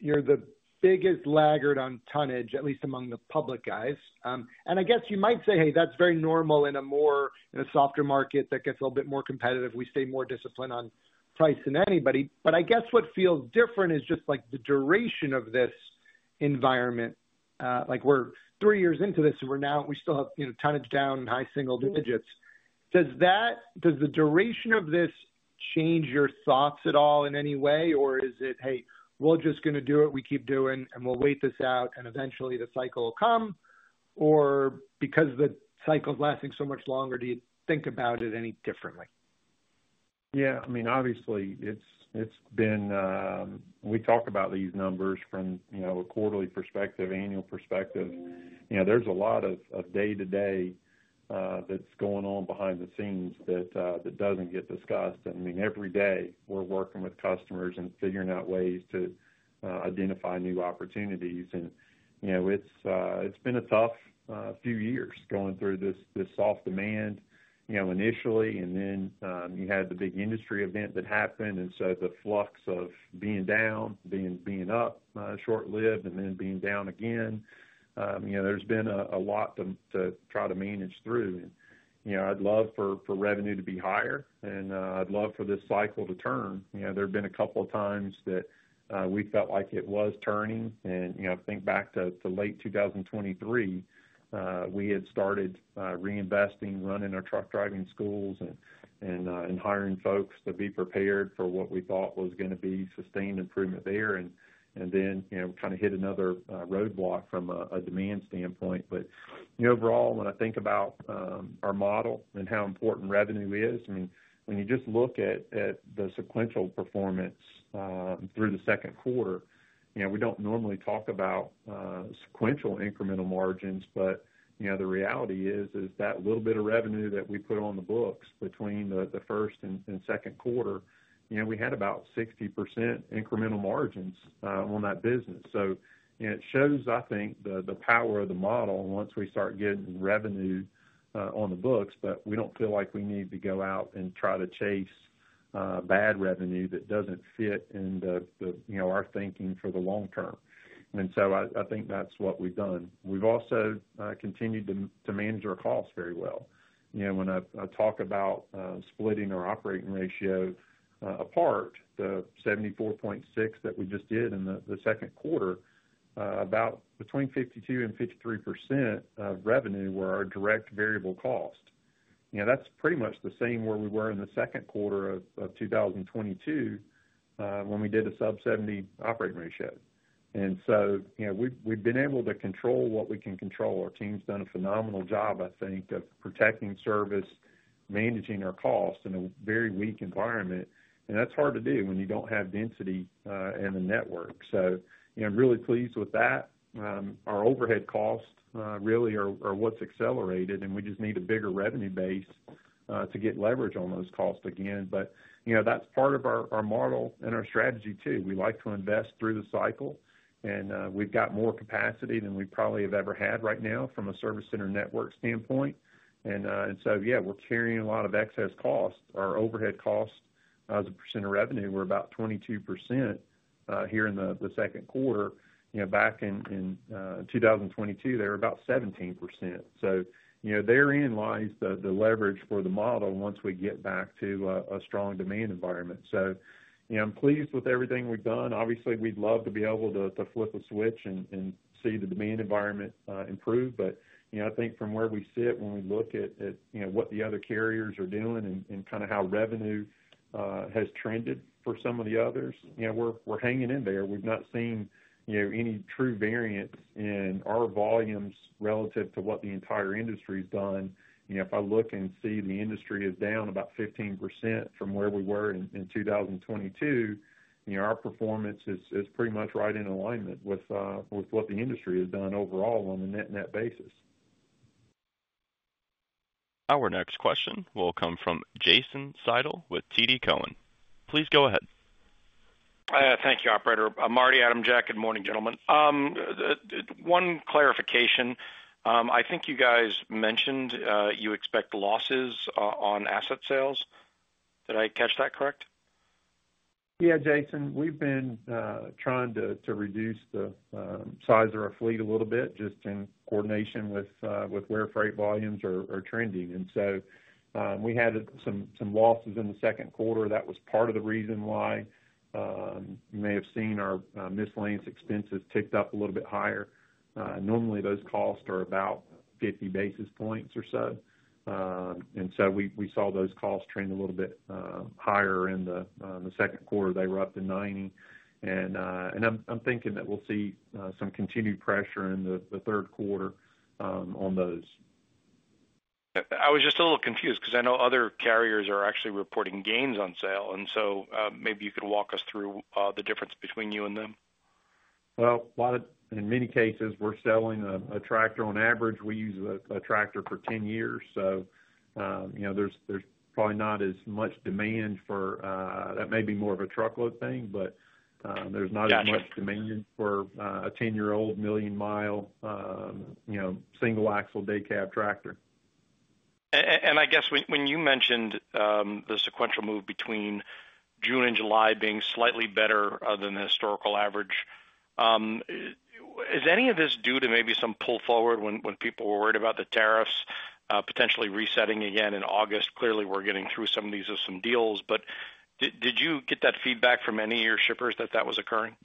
You're the biggest laggard on tonnage, at least among the public eyes. I guess you might say, hey, that's very normal in a more, in a softer market that gets a little bit more competitive, we stay more disciplined on price than anybody. I guess what feels different is just like the duration of this environment. Like we're three years into this and now we still have tonnage down high single digits. Does the duration of this change your thoughts at all in any way? Or is it, hey, we're just going to do what we keep doing and we'll wait this out and eventually the cycle will come or because the cycle's lasting so much longer. Do you think about it any differently? Yeah, I mean, obviously it's been, we talk about these numbers from a quarterly perspective, annual perspective. There's a lot of day to day that's going on behind the scenes that doesn't get discussed. I mean, every day we're working with customers and figuring out ways to identify new opportunities. And you know, it's been a tough few years going through this soft demand, you know, initially. And then you had the big industry event that happened. And so the flux of being down, being up short lived and then being down again, you know, there's been a lot to try to manage through. You know, I'd love for revenue to be higher and I'd love for this cycle to turn. You know, there have been a couple of times that we felt like it was turning. And think back to late 2023, we had started reinvesting, running our truck driving schools and hiring folks to be prepared for what we thought was going to be sustained improvement there and then kind of hit another roadblock from a demand standpoint. Overall, when I think about our model and how important revenue is, when you just look at the sequential performance through the second quarter. We don't normally talk about sequential incremental margins, but the reality is that little bit of revenue that we put on the books between the first and second quarter, we had about 60% incremental margins on that business. It shows, I think, the power of the model once we start getting revenue on the books. We don't feel like we need to go out and try to chase bad revenue that doesn't fit in our thinking for the long term. I think that's what we've done. We've also continued to manage our costs very well. When I talk about splitting our operating ratio apart, the 74.6% that we just did in the second quarter, about between 52-53% of revenue were our direct variable cost. That's pretty much the same where we were in the second quarter of 2022 when we did a sub-70 operating ratio. We've been able to control what we can control. Our team's done a phenomenal job, I think, of protecting service, managing our cost in a very weak environment. That's hard to do when you don't have density and the network. I'm really pleased with that. Our overhead costs really are what's accelerated and we just need a bigger revenue base to get leverage on those costs again. You know, that's part of our model and our strategy too. We like to invest through the cycle and we've got more capacity than we probably have ever had right now from a service center network standpoint. Yeah, we're carrying a lot of excess cost. Our overhead costs as a percent of revenue were about 22% here in the second quarter. Back in 2022, they were about 17%. Therein lies the leverage for the model once we get back to a strong demand environment. I'm pleased with everything we've done. Obviously, we'd love to be able to flip a switch and see the demand environment improve, but I think from where we sit, when we look at what the other carriers are doing and kind of how revenue has trended for some of the others, we're hanging in there. We've not seen any true variance in our volumes relative to what the entire industry has done. If I look and see the industry is down about 15% from where we were in 2022, our performance is pretty much right in alignment with what the industry has done overall on a net, net basis. Our next question will come from Jason Seidl with TD Cowen. Please go ahead. Thank you, operator. Marty, Adam, Jack. Good morning, gentlemen. One clarification, I think you guys mentioned you expect losses on asset sales. Did I catch that correct? Yeah, Jason, we've been trying to reduce the size of our fleet a little bit just in coordination with where freight volumes are trending. We had some losses in the second quarter. That was part of the reason why you may have seen our miscellaneous expenses ticked up a little bit higher. Normally those costs are about 50 basis points or so. We saw those costs trend a little bit higher in the second quarter. They were up to 90 and I'm thinking that we'll see some continued pressure in the third quarter on those. I was just a little confused because I know other carriers are actually reporting gains on sale and maybe you could walk us through the difference between you and them. In many cases we're selling a tractor. On average, we use a tractor for 10 years. You know, there's probably not as much demand for that, maybe more of a truckload thing, but there's not as much demand for a 10 year old million mile single axle day cab tractor. I guess when you mentioned the sequential move between June and July being slightly better than the historical average, is. Any of this due to maybe some pull forward when people were worried about the tariffs potentially resetting again in August? Clearly we're getting through some of these deals. Did you get that feedback from any of your shippers that that was occurring?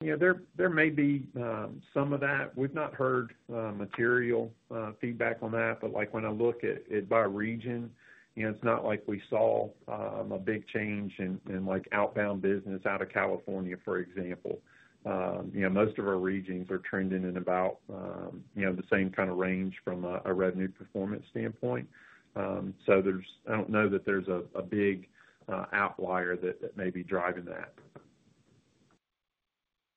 Yeah, there may be some of that. We've not heard material feedback on that. Like when I look at it by region, it's not like we saw a big change in outbound business out of California, for example. You know, most of our regions are trending in about the same kind of range from a revenue performance standpoint. I don't know that there's a big outlier that may be driving that.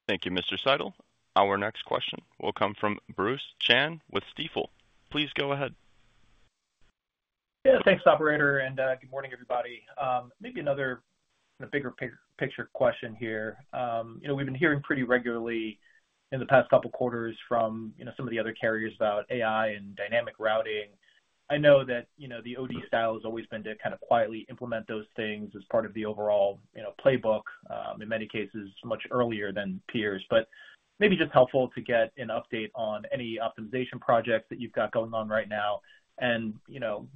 Thank you, Mr. Seidl. Our next question will come from Bruce Chan with Stifel.Please go ahead. Yeah, thanks operator. Good morning everybody. Maybe another bigger picture question here. You know, we've been hearing pretty regularly in the past couple quarters from you. Know, some of the other carriers about AI and dynamic routing. I know that the OD style has. Always been to kind of quietly implement those things as part of the overall. Playbook in many cases much earlier than peers. Maybe just helpful to get an update on any optimization projects that you've. Got going on right now, and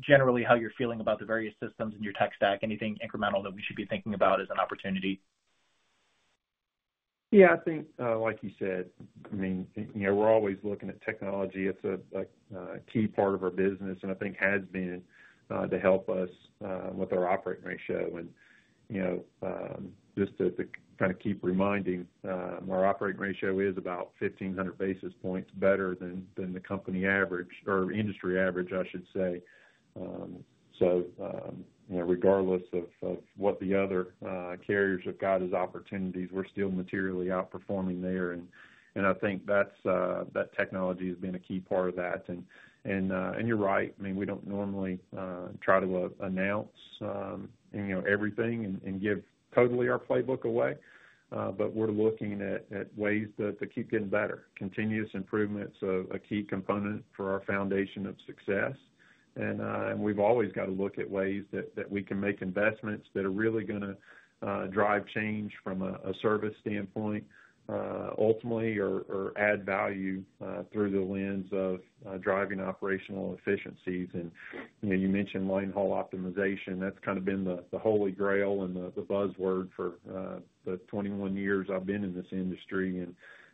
generally. How you're feeling about the various systems. In your tech stack, anything incremental that we should be thinking about as an opportunity. Yeah, I think like you said, I mean, we're always looking at technology. It's a key part of our business and I think has been to help us with our operating ratio. And you know, just to kind of keep reminding, our operating ratio is about 1,500 basis points better than the company average or industry average, I should say. So, you know, regardless of what the other carriers have got as opportunities, we're still materially outperforming there. I think that technology has been a key part of that. You're right, I mean, we don't normally try to announce everything and give totally our playbook away, but we're looking at ways to keep getting better. Continuous improvement is a key component for our foundation of success. We've always got to look at ways that we can make investments that are really going to drive change from a service standpoint ultimately or add value through the lens of driving operational efficiencies. You mentioned line haul optimization. That's kind of been the holy grail and the buzzword for the 21 years I've been in this industry.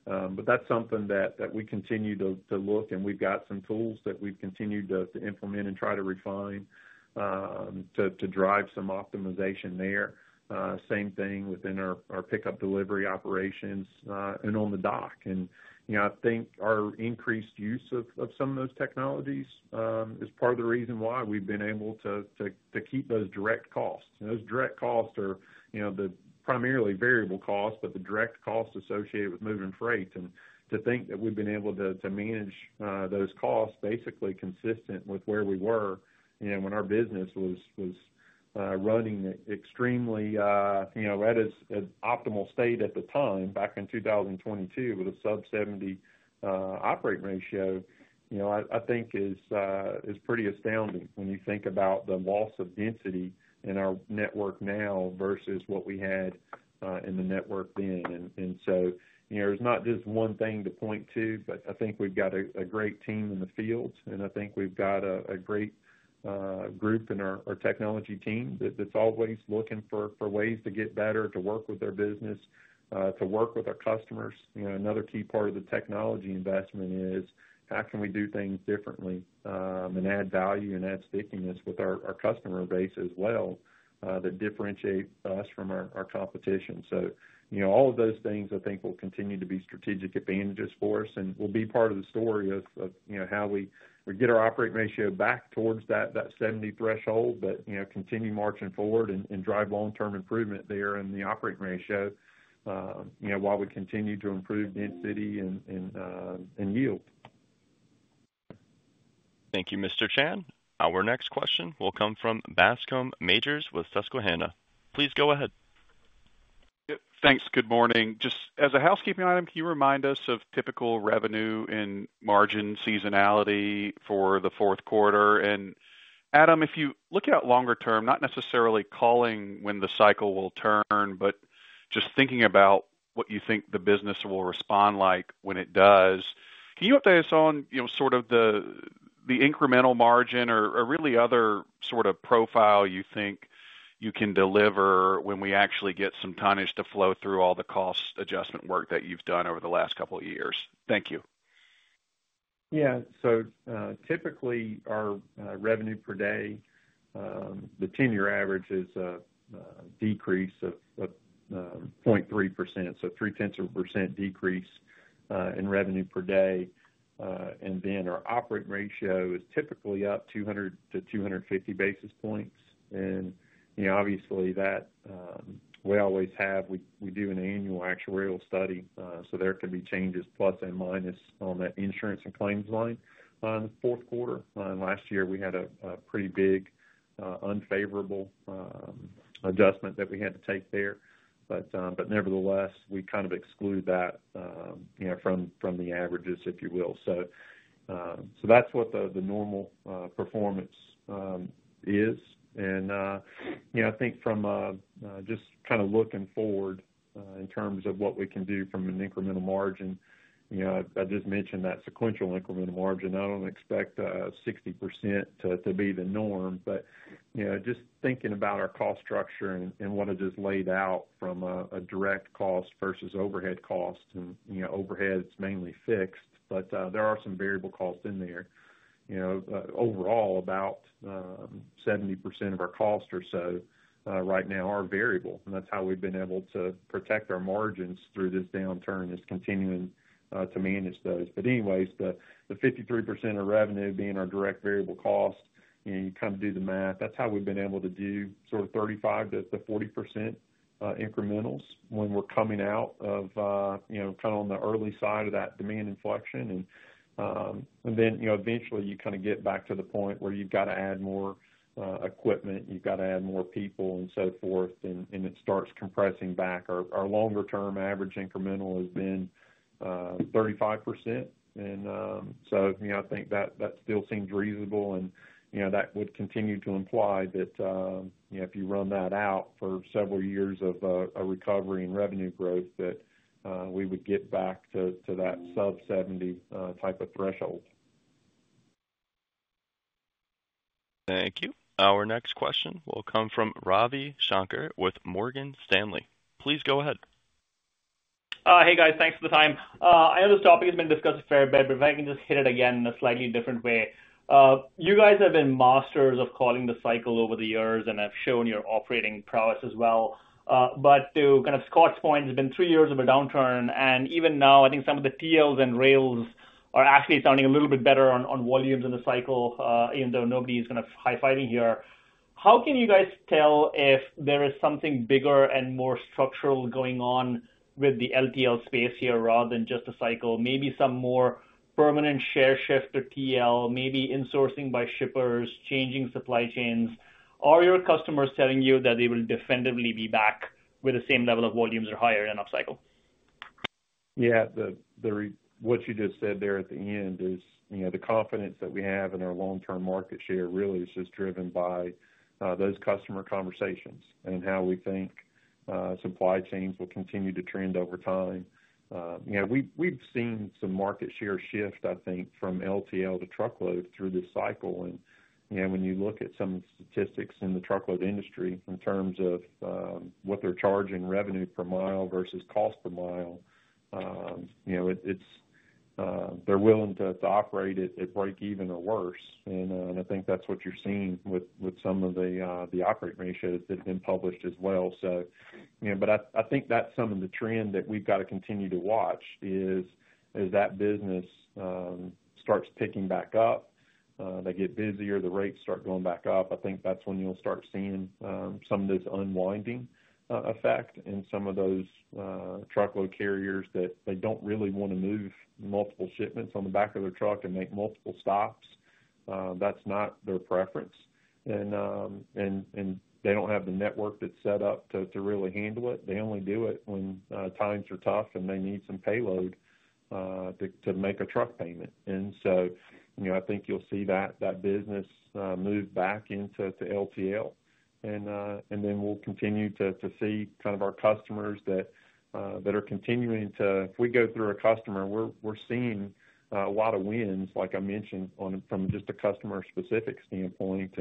That's something that we continue to look at and we've got some tools that we've continued to implement and try to refine to drive some optimization there. Same thing within our pickup delivery operations and on the dock. I think our increased use of some of those technologies is part of the reason why we've been able to keep those direct costs. Those direct costs are the primarily variable cost, but the direct costs associated with moving freight. To think that we've been able to manage those costs basically consistent with where we were when our business was running extremely at its optimal state at the time, back in 2022 with a sub-70 operating ratio I think is pretty astounding when you think about the loss of density in our network now versus what we had in the network then. There's not just one thing to point to, but I think we've got a great team in the field and I think we've got a great group and our technology team that's always looking for ways to get better, to work with their business, to work with our customers. Another key part of the technology investment is how can we do things differently and add value and add stickiness with our customer base as well that differentiate us from our competition. All of those things I think will continue to be strategic advantages for us and will be part of the story of you know how we get our operating ratio back towards that 70 threshold, but you know, continue marching forward and drive long term improvement there in the operating ratio, you know, while we continue to improve density and yield. Thank you, Mr. Chan. Our next question will come from Bascome Majors with Susquehanna.Please go ahead. Thanks. Good morning. Just as a housekeeping item, can you remind us of typical revenue and margin seasonality for the fourth quarter? Adam, if you look at longer term, not necessarily calling when the cycle will turn, but just thinking about what you think the business will respond like when it does. Can you update us on sort of. The incremental margin or really other sort of profile you think you can deliver when we actually get some tonnage to flow through all the cost adjustment work that you've done over the last couple years. Thank you. Yeah. Typically our revenue per day, the 10-year average is a decrease of 0.3%. So three-tenths of a percent decrease in revenue per day. Our operating ratio is typically up 200-250 basis points. Obviously, we always have, we do an annual actuarial study so there can be changes plus and minus on that insurance and claims line in the fourth quarter. Last year we had a pretty big unfavorable adjustment that we had to take there. Nevertheless, we kind of exclude that from the averages, if you will. That is what the normal performance is. I think from just kind of looking forward in terms of what we can do from an incremental margin, I just mentioned that sequential incremental margin. I do not expect 60% to be the norm. Just thinking about our cost structure and what it is laid out from a direct cost versus overhead cost. Overhead is mainly fixed, but there are some variable costs in there. You know, overall about 70% of our cost or so right now are variable. That is how we have been able to protect our margins through this downturn, is continuing to manage those. Anyways, the 53% of revenue being our direct variable cost and you kind of do the math, that is how we have been able to do sort of 35%-40% incrementals when we are coming out of, you know, kind of on the early side of that demand inflection and then eventually you kind of get back to the point where you have got to add more equipment, you have got to add more people and so forth and it starts compressing back. Our longer-term average incremental has been 35% and I think that still seems reasonable. That would continue to imply that if you run that out for several years of a recovery in revenue growth, we would get back to that sub-70 type of threshold. Thank you. Our next question will come from Ravi Shankar with Morgan Stanley.Please go ahead. Hey guys, thanks for the time. I know this topic has been discussed a fair bit, but if I can just hit it again in a slightly different way. You guys have been masters of calling the cycle over the years and have shown your operating prowess as well. To kind of Scott's point, it's been three years of a downturn and even now I think some of the TLs and rails are actually sounding a little bit better on volumes in the cycle. Even though nobody is kind of high fiving here. How can you guys tell if there is something bigger and more structural going on with the LTL space here rather than just a cycle? Maybe some more permanent share shift to TL, maybe insourcing by shippers, changing supply chains. Are your customers telling you that they will definitively be back with the same level of volumes or higher than upcycle? Yeah. What you just said there at the end is the confidence that we have in our long term market share really is just driven by those customer conversations and how we think supply chains will continue to trend over time. We've seen some market share shift, I think, from LTL to truckload through this cycle. When you look at some statistics in the truckload industry in terms of what they're charging, revenue per mile versus cost per mile, they're willing to operate at break even or worse. I think that's what you're seeing with some of the operating ratios that have been published as well. I think that's some of the trend that we've got to continue to watch as business starts picking back up, they get busier, the rates start going back up. I think that's when you'll start seeing some of this unwinding effect in some of those truckload carriers that do not really want to move multiple shipments on the back of their truck and make multiple stops. That's not their preference. They do not have the network that's set up to really handle it. They only do it when times are tough and they need some payload to make ` truck payment. I think you'll see that business move back into LTL and then we'll continue to see kind of our customers that are continuing to. If we go through a customer, we're seeing a lot of wins, like I mentioned, from just a customer specific standpoint.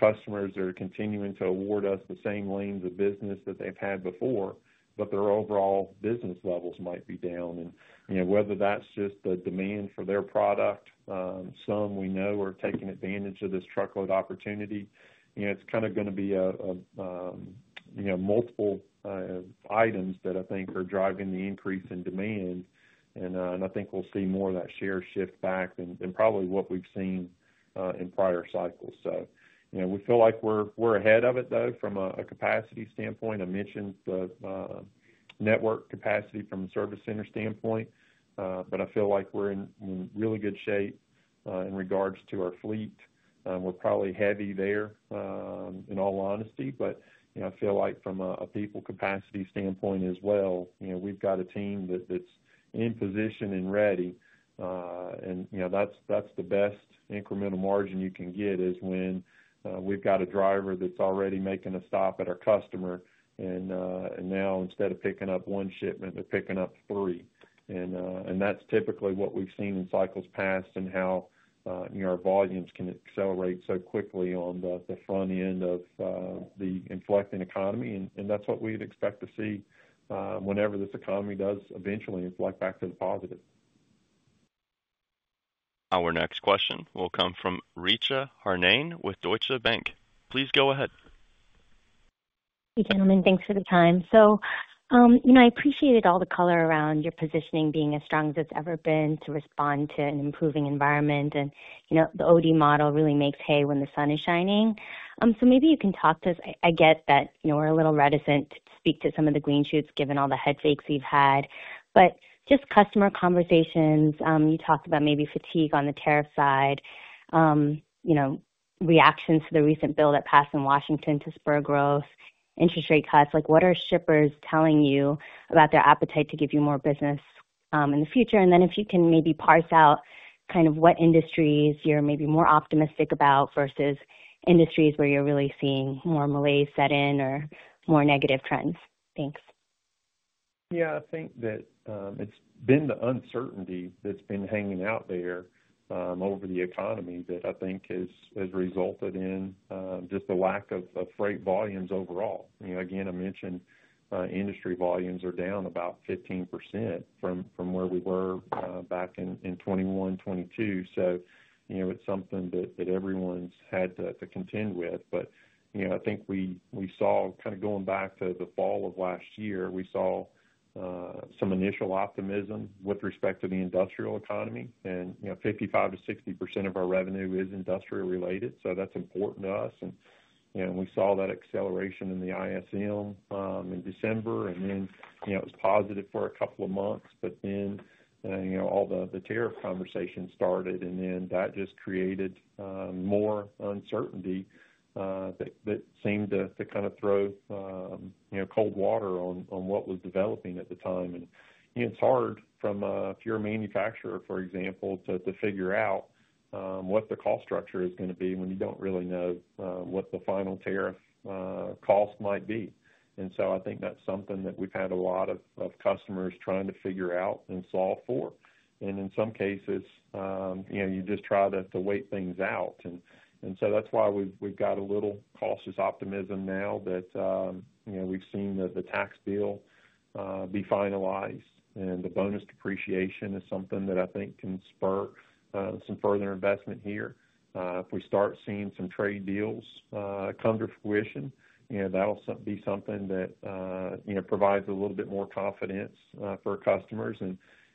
Customers are continuing to award us the same lanes of business that they've had before, but their overall business levels might be down. Whether that's just the demand for their product, some we know are taking advantage of this truckload opportunity. It's kind of going to be multiple items that I think are driving the increase in demand. I think we'll see more of that share shift back than probably what we've seen in prior cycles. We feel like we're ahead of it though, from a capacity standpoint. I mentioned network capacity from a service center standpoint, but I feel like we're in really good shape in regards to our fleet. We're probably heavy there, in all honesty, but I feel like from a people capacity standpoint as well, we've got a team that's in position and ready and that's the best incremental margin you can get is when we've got a driver that's already making a stop at our customer and now instead of picking up one shipment, they're picking up three. That's typically what we've seen in cycles past and how our volumes can accelerate so quickly on the front end of the inflecting economy. That's what we'd expect to see whenever this economy does eventually inflect back to the positive. Our next question will come from Richa Harnain with Deutsche Bank.Please go ahead. Gentlemen. Thanks for the time. You know, I appreciated all the color around your positioning being as strong as it's ever been to respond to an improving environment. You know, the OD model really makes hay when the sun is shining. Maybe you can talk to us. I get that we're a little reticent to speak to some of the green shoots given all the headaches we've had. Just customer conversations, you talked about maybe fatigue on the tariff side. You know, reactions to the recent bill that passed in Washington to spur growth, interest rate cuts, like, what are shippers telling you about their appetite to give you more business in the future, and then if you can maybe parse out kind of what industries you're maybe more optimistic about versus industries where you're really seeing more malaise set in or more negative trends. Thanks. Yeah, I think that it's been the uncertainty that's been hanging out there over the economy that I think has resulted in just the lack of freight volumes overall. Again, I mentioned industry volumes are down about 15% from where we were back in 2021-2022. So it's something that everyone's had to contend with. I think we saw, kind of going back to the fall of last year, we saw some initial optimism with respect to the industrial economy and 55%-60% of our revenue is industrial related. That's important to us. We saw that acceleration in the ISM in December and then it was positive for a couple of months. Then all the tariff conversations started and that just created more uncertainty that seemed to kind of throw cold water on what was developing at the time. It's hard, if you're a manufacturer for example, to figure out what the cost structure is going to be when you don't really know what the final tariff cost might be. I think that's something that we've had a lot of customers trying to figure out and solve for. In some cases you just try to wait things out. That's why we've got a little cautious optimism now that we've seen the tax deal be finalized and the bonus depreciation is something that I think can spur some further investment here. If we start seeing some trade deals come to fruition, that will be something that provides a little bit more confidence for customers.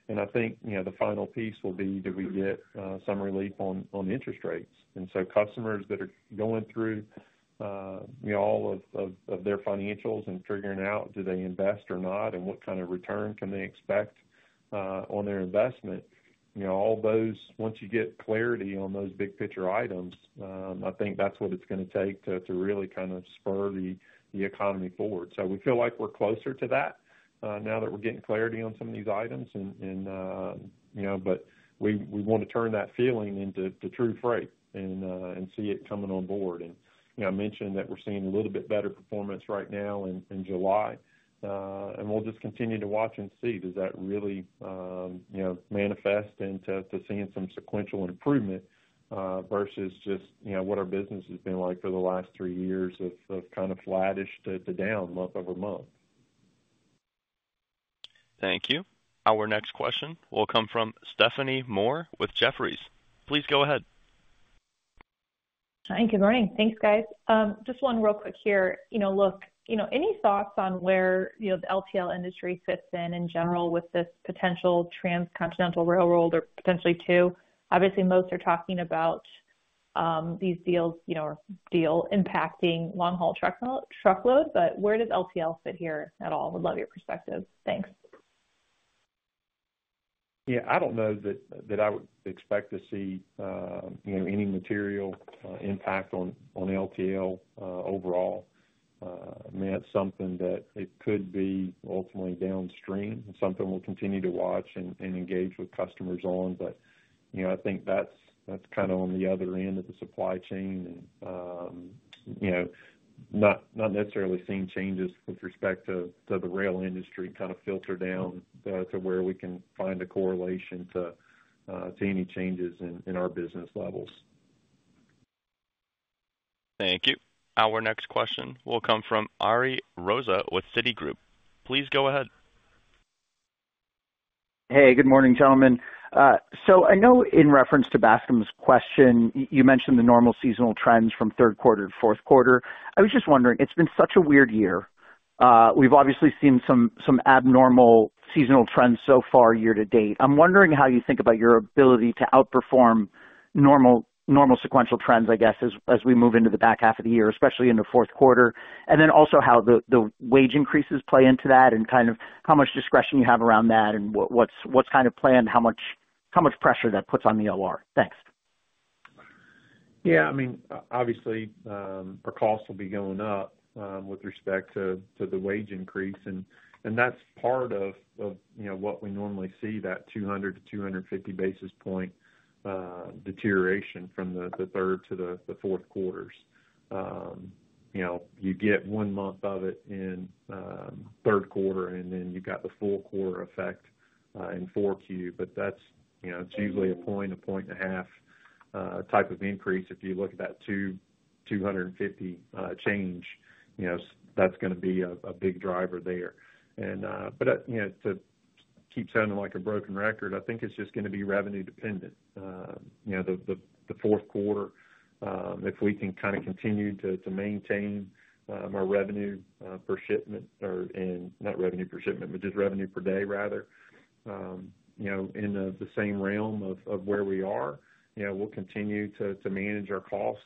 I think the final piece will be do we get some relief on interest rates. Customers that are going through all of their financials and figuring out do they invest or not and what kind of return can they expect on their investment, you know, all those, once you get clarity on those big picture items, I think that's what it's going to take to really kind of spur the economy forward. We feel like we're closer to that now that we're getting clarity on some of these items. We want to turn that feeling into true freight and see it coming on board. I mentioned that we're seeing a little bit better performance right now in July. We'll just continue to watch and see does that really manifest into seeing some sequential improvement versus just what our business has been like for the last three years of kind of flattish to down month over month. Thank you. Our next question will come from Stephanie Moore with Jefferies. Please go ahead. Hi, good morning. Thanks, guys. Just one real quick here. Look, you know, any thoughts on where, you know, the LTL industry fits in in general with this potential transcontinental railroad or potentially two? Obviously, most are talking about these deals, you know, deal impacting long haul truck, truckload. But where does LTL fit here at all? Would love your perspective. Thanks. Yeah, I don't know that I would expect to see, you know, any material impact on LTL overall, meant something that it could be ultimately downstream, something we'll continue to watch and engage with customers on. You know, I think that's kind of on the other end of the supply chain, you know, not necessarily seeing changes with respect to the rail industry kind of filter down to where we can find a correlation to any changes in our business levels. Thank you. Our next question will come from Ari Rosa with Citigroup. Please go ahead. Hey, good morning, gentlemen. I know in reference to Bascom's question, you mentioned the normal seasonal trends. From third quarter to fourth quarter. I was just wondering. It's been such a weird year. We've obviously seen some abnormal seasonal trends so far, year to date. I'm wondering how you think about your ability to outperform normal, normal sequential trends, I guess as we move into the back half of the year, especially in the fourth quarter, and then also how the wage increases play into that and kind of how much discretion you have around that and what's, what's kind of planned, how much, how much pressure that puts on the OR? Thanks. Yeah, I mean, obviously our costs will be going up with respect to the wage increase. And that's part of what we normally see, that 200-250 basis point deterioration from the third to the fourth quarters. You know, you get one month of it in third quarter and then you got the full quarter effect in 4Q. But that's, you know, it's usually a point, a point and a half type of increase. If you look at that 250 change, you know, that's going to be a big driver there. But, you know, to keep sounding like a broken record, I think it's just going to be revenue dependent, you know, the fourth quarter. If we can kind of continue to maintain our revenue per shipment, or not revenue per shipment, but just revenue per day rather, you know, in the same realm of where we are, you know, we'll continue to manage our costs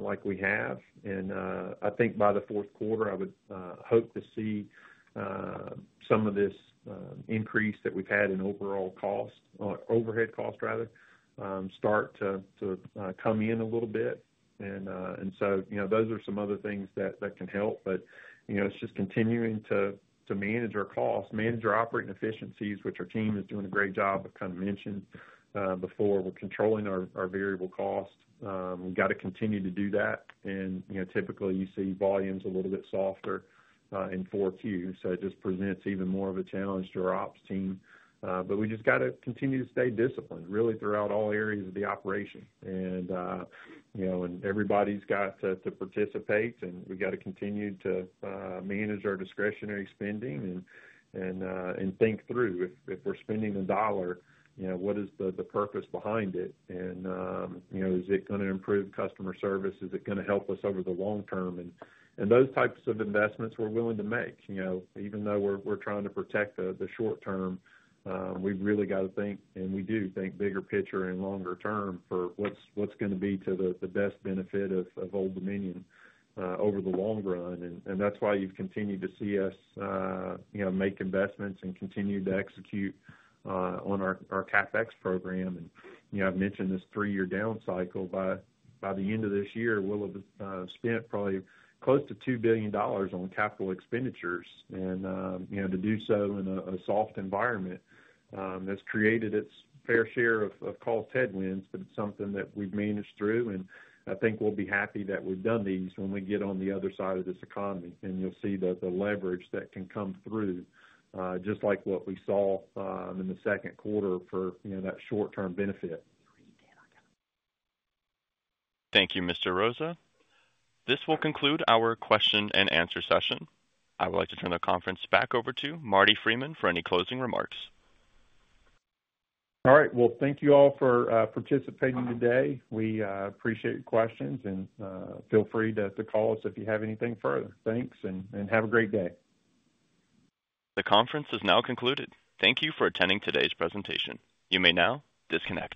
like we have. And I think by the fourth quarter I would hope to see some of this increase that we've had in overall cost, overhead, cost rather start to come in a little bit. And so, you know, those are some other things that can help. But, you know, it's just continuing to manage our costs, manage our operating efficiencies, which our team is doing a great job of kind of mentioning before we're controlling our variable cost, we've got to continue to do that. You know, typically you see volumes a little bit softer in 4Q. It just presents even more of a challenge to our ops team. We just got to continue to stay disciplined really throughout all areas of the operation. You know, everybody's got to participate and we got to continue to manage our discretionary spending and think through if we're spending a dollar, you know, what is the purpose behind it and, you know, is it going to improve customer service, is it going to help us over the long term and, and those types of investments we're willing to make, even though we're trying to protect the short term, we've really got to think, and we do think bigger picture and longer term for what's going to be to the best benefit of Old Dominion over the long run. That's why you've continued to see us make investments and continue to execute on our CapEx program. I've mentioned this three year down cycle but, by the end of this year we'll have spent probably close to $2 billion on capital expenditures. To do so in a soft environment that's created its fair share of cost headwinds, but it's something that we've managed through and I think we'll be happy that we've done these when we get on the other side of this economy and you'll see that the leverage that can come through just like what we saw in the second quarter for that short term benefit. Thank you, Mr. Rosa. This will conclude our question and answer session. I would like to turn the conference back over to Marty Freeman for any closing remarks. All right, thank you all for participating today. We appreciate your questions and feel free to call us if you have anything further. Thanks and have a great day. The conference has now concluded. Thank you for attending today's presentation. You may now disconnect.